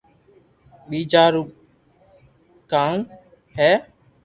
ٻيجا رو ڪانتو ھي